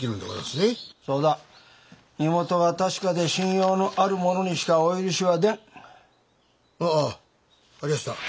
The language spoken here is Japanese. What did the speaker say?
身元が確かで信用のある者にしかお許しは出ん。